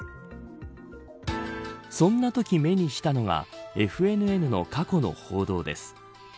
そんなとき、目にしたのがＦＮＮの過去の報道です。